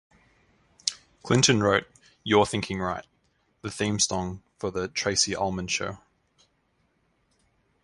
Clinton wrote "You're Thinking Right", the theme song for "The Tracey Ullman Show".